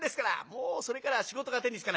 もうそれからは仕事が手につかない。